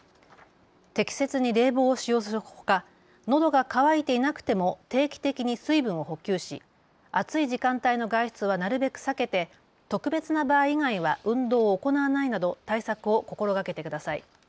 適切に冷房を使用するほかのどが渇いていなくても定期的に水分を補給し暑い時間帯の外出はなるべく避けて特別な場合以外は運動を行わないなど対策を心がけてください。